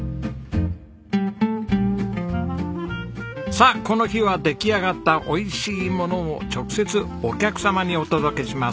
さあこの日は出来上がったおいしいものを直接お客様にお届けします。